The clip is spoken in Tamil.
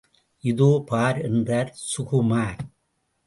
இதோ, பார் என்றார் சுகுமார்.